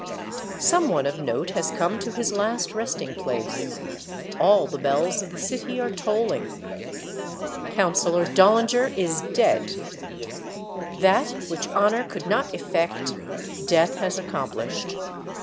Some one of note has come to his last resting place. All the bells of the city are tolling. Councillor Dollinger is dead ! That which honor could not effect, death has accomplished.